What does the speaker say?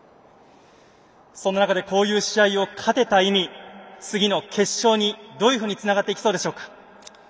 そんな中でこういう試合を勝てた意味次の決勝にどういうふうにつながっていきそうでしょうか？